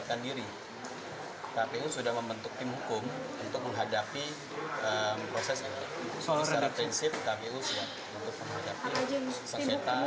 secara prinsip kpu sudah membentuk proses ini